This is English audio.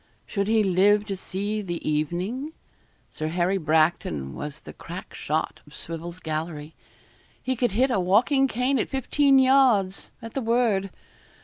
Should he live to see the evening? Sir Harry Bracton was the crack shot of Swivel's gallery. He could hit a walking cane at fifteen yards, at the word.